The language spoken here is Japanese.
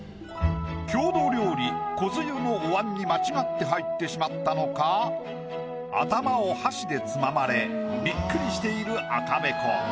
郷土料理こづゆのおわんに間違って入ってしまったのか頭を箸でつままれビックリしている赤べこ。